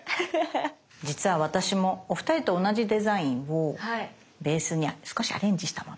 実は私もお二人と同じデザインをベースに少しアレンジしたもの。